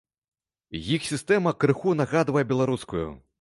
Іх сістэма крыху нагадвае беларускую.